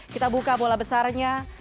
kita buka bola besarnya